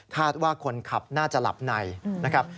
ว่าคนขับน่าจะหลับในนะครับ